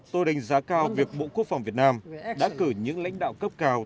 tôi đánh giá cao việc bộ quốc phòng việt nam đã cử những lãnh đạo cấp cao